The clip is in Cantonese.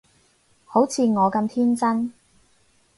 好似我咁天真